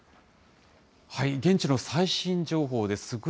現地の最新情報です。